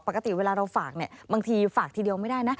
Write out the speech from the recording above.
ปกติเวลาเราฝากเนี่ยบางทีฝากทีเดียวไม่ได้นะ